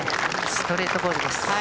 ストレートボールです。